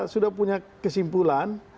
sudah punya kesimpulan